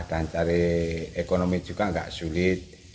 dan cari ekonomi juga nggak sulit